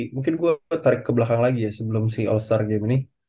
mungkin gue tarik ke belakang lagi ya sebelum si all star game ini